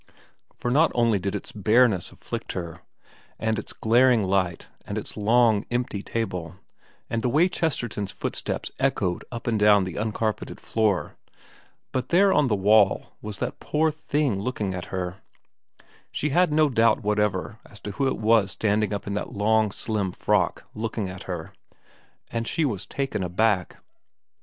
For not only did its bareness afflict her, and its glaring light, and its long empty table, and the way Chesterton's footsteps echoed up and down the un carpeted floor, but there on the wall was that poor thing looking at her, she had no doubt whatever as to who it was standing up in that long slim frock looking at her, and she was taken aback.